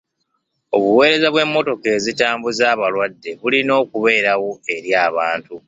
Obuweereza bw'emmotoka ezitambuza balwadde bulina okubeerawo eri abantu.